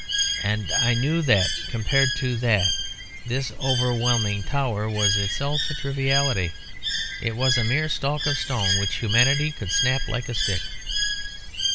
And I knew that, compared to that, this overwhelming tower was itself a triviality; it was a mere stalk of stone which humanity could snap like a stick.